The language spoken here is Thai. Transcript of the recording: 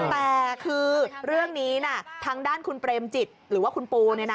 แต่คือเรื่องนี้ทางด้านคุณเปรมจิตหรือว่าคุณปู